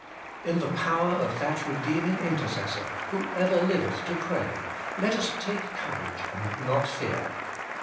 In the power of that Eedeeming Intercessor, who ever liveth to pray, let us take courage and not fear.